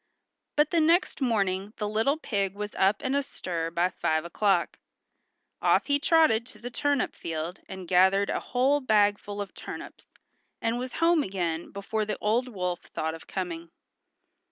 But the next morning the little pig was up and astir by five o'clock. Off he trotted to the turnip field and gathered a whole bagful of turnips and was home again before the old wolf thought of coming.